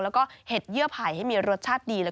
แหละก็เห็ดเยื้อไผ่ให้มีรสชาติดี